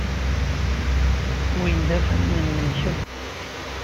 Win d afran-nnem kemm.